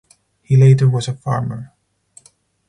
He later was a farmer.